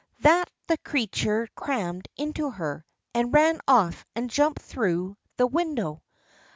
That the creature crammed into her, and ran off and jumped through the window.